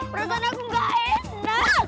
beratnya aku gak ada